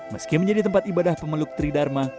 meski menjadi tempat ibadah pemeluk tridharma